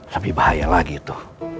lebih bahaya lagi itu